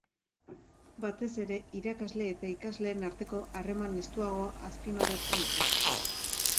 Batez ere, irakasle eta ikasleen arteko harreman estuagoa azpimarratzen dute.